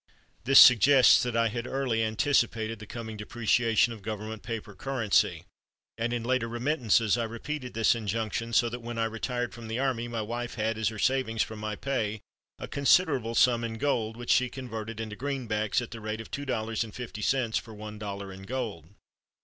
This suggests that I had early anticipated the coming depreciation of Government paper currency, and in later remittances I repeated this injunction, so that when I retired from the army my wife had as her savings from my pay a considerable sum in gold, which she converted into "greenbacks" at the rate of two dollars and fifty cents for one dollar gold.